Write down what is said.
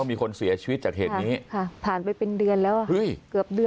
มีคนเสียชีวิตจากเหตุนี้ค่ะผ่านไปเป็นเดือนแล้วอ่ะเฮ้ยเกือบเดือน